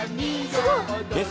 すごい！